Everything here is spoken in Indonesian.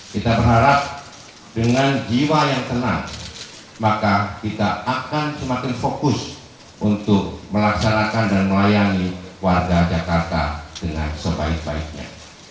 kita berharap dengan jiwa yang tenang maka kita akan semakin fokus untuk melaksanakan dan melayani warga jakarta dengan sebaik baiknya